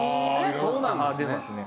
そうなんですね。